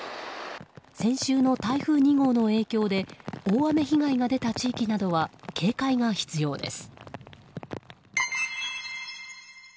先週の台風２号の影響で大雨被害が出た地域などは警戒が必要です。